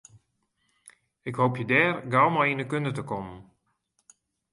Ik hoopje dêr gau mei yn de kunde te kommen.